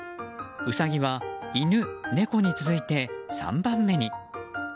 ウサギは犬、猫に続いて３番目に。